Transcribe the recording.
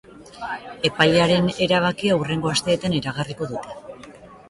Epailearen erabakia hurrengo asteetan iragarriko dute.